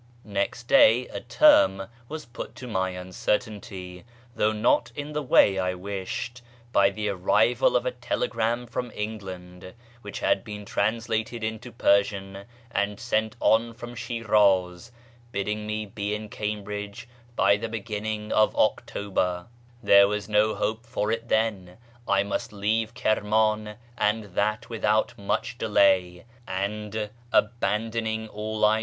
Next day a term was put to my uncertainty (though not [in the way I wished) by the arrival of a telegram from Eng [land, which had been translated into Persian and sent on from iShiraz, bidding me be in Cambridge by the beginning of jOctober, There was no help for it then ; I must leave Kir lan, and that without much delay, and, abandoning all idea 534 '•' I '/■